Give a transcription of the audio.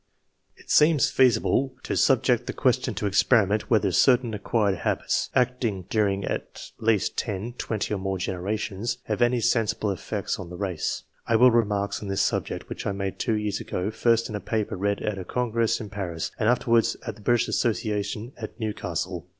It seems feasible to subject the question to experiment, whether certain acquired habits, acting during at least ten, twenty, or more generations, have any sensible effects on the race. I will repeat some remarks on this subject which I made two years ago, first in a paper read at a Congress in Paris, and afterwards at the British Association at Newcastle.